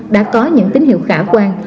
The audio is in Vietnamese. đã có những tín hiệu khả quan